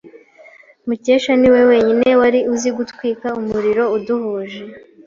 Mukesha niwe wenyine wari uzi gutwika umuriro udahuje.